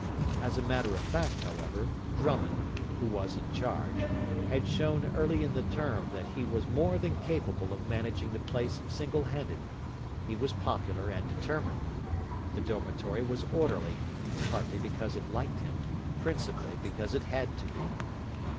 As a matter of fact, however, Drummond, who was in charge, had shown early in the term that he was more than capable of managing the place single handed. He was popular and determined. The dormitory was orderly, partly because it liked him, principally because it had to be.